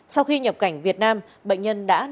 sau khi nhập cảnh việt nam bệnh nhân đã trở về hà nội